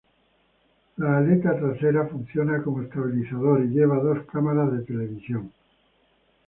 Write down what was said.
La aleta trasera funciona como estabilizador y lleva dos cámaras de televisión.